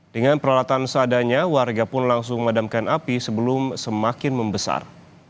dengan peralatan seadanya warga pun langsung memadamkan api sebelum semakin membesar